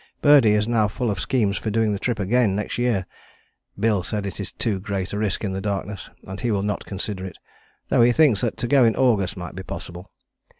Birdie is now full of schemes for doing the trip again next year. Bill says it is too great a risk in the darkness, and he will not consider it, though he thinks that to go in August might be possible."